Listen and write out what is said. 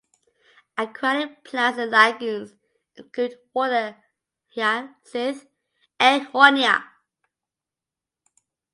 Aquatic plants in the lagoons include water hyacinth ("Eichhornia").